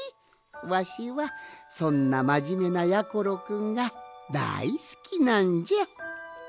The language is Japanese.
わしはそんなまじめなやころくんがだいすきなんじゃ。